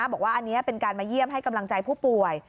บอกว่าอันนี้เป็นการมาเยี่ยมให้กำลังใจผู้ป่วย